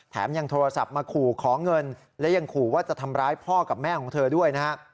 ยังโทรศัพท์มาขู่ขอเงินและยังขู่ว่าจะทำร้ายพ่อกับแม่ของเธอด้วยนะฮะ